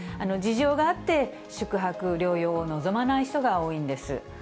事情があって、宿泊療養を望まない人が多いんです。